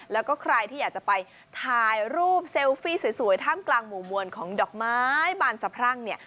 แล้วก็ใครที่อยากจะไปถ่ายรูปเซลฟี่สวยท่ามกลางหมู่มวลของดอกไม้บานสะพรั่งเนี่ย